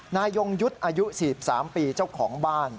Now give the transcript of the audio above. นายยงยุทธ์อายุ๔๓ปีเจ้าของบ้าน